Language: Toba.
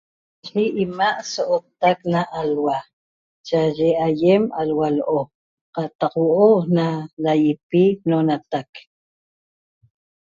Yi 'ima' so'ottac na alhua cha'aye aýem alhua l'o qataq huo'o na laýpi no'onatac